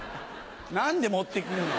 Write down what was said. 何で持ってくるの。